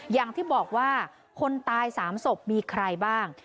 อย่างที่บอกว่าคนตาย๓ศพมีใครบ้าง